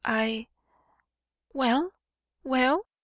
I " "Well? Well?"